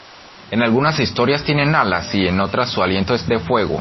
En algunas historias tiene alas y en otras su aliento es de fuego.